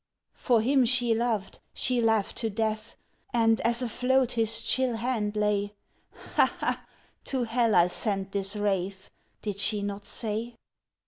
For him she loved, she laughed to death! And as afloat his chill hand lay, "Ha, ha! to hell I sent his wraith!" Did she not say?